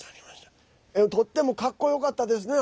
とってもかっこよかったですね。